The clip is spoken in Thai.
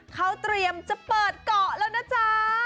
เขาเตรียมจะเปิดเกาะแล้วนะจ๊ะ